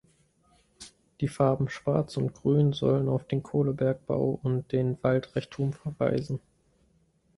Die Farben Schwarz und Grün sollen auf den Kohlenbergbau und den Waldreichtum verweisen.